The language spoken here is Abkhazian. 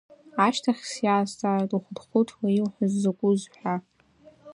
Ашьҭахь сиазҵааит ухәыҭхәыҭуа иуҳәоз закәыз ҳәа.